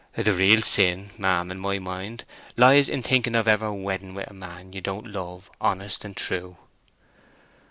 The real sin, ma'am in my mind, lies in thinking of ever wedding wi' a man you don't love honest and true."